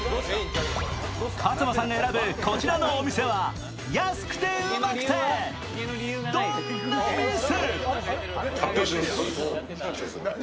葛馬さんが選ぶこちらのお店は安くてウマくてどんな店？